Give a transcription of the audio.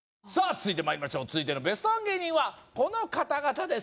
続いてまいりましょう続いてのベストワン芸人はこの方々です